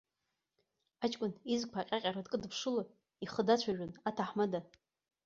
Аҷкәын изқәа аҟьаҟьара дкыдԥшыло, ихы дацәажәон аҭаҳмада.